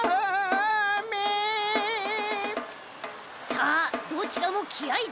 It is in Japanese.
さあどちらもきあい